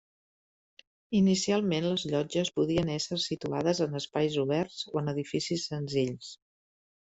Inicialment les llotges podien ésser situades en espais oberts o en edificis senzills.